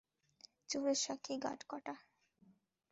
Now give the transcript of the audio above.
চোরের সাক্ষী গাঁটকাটা।